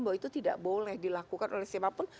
bahwa itu tidak boleh dilakukan oleh siapapun